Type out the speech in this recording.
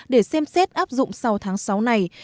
để xem xét áp dụng sau tháng sáu này